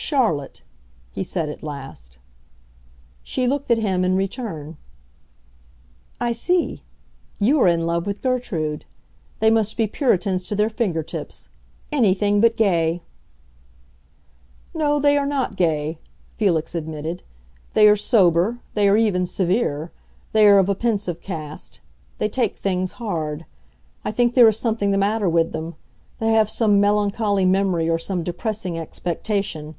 "Charlotte," he said at last. She looked at him in return. "I see. You are in love with Gertrude. They must be Puritans to their finger tips; anything but gay!" "No, they are not gay," Felix admitted. "They are sober; they are even severe. They are of a pensive cast; they take things hard. I think there is something the matter with them; they have some melancholy memory or some depressing expectation.